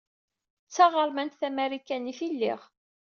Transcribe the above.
D taɣeṛmant tamarikanit i lliɣ.